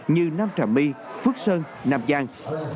như nam trạm my phước sơn nam giang